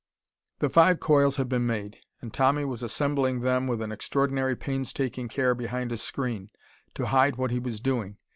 The five coils had been made, and Tommy was assembling them with an extraordinary painstaking care behind a screen, to hide what he was doing.